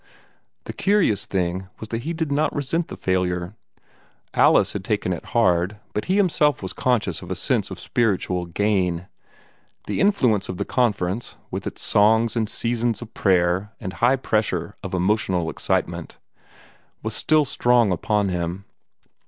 The curious thing was that he did not resent his failure. Alice had taken it hard, but he himself was conscious of a sense of spiritual gain. The influence of the Conference, with its songs and seasons of prayer and high pressure of emotional excitement, was still strong upon him.